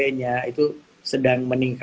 juga di k sore nambung